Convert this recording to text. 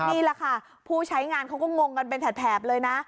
นี่แหละค่ะผู้ใช้งานเขาก็งงกันเป็นแถบเลยนะ